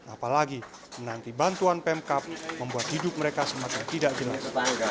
apalagi menanti bantuan pemkap membuat hidup mereka semakin tidak jelas